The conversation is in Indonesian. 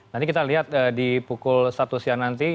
nanti kita lihat di pukul satu siang nanti